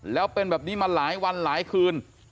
แล้วเป็นแบบนี้มาหลายวันหลายคืน